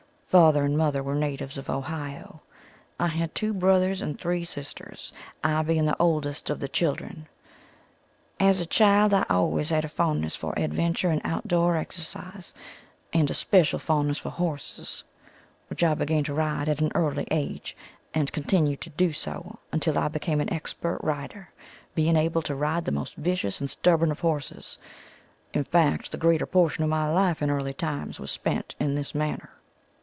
Father and mother were natives of Ohio. I had two brothers and three sisters, I being the oldest of the children. As a child I always had a fondness for adventure and out door exercise and especial fondness for horses which I began to ride at an early age and continued to do so until I became an expert rider being able to ride the most vicious and stubborn of horses, in fact the greater portion of my life in early times was spent in this manner.